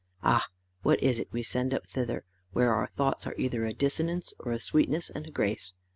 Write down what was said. Ah! what is it we send up thither, where our thoughts are either a dissonance or a sweetness and a grace?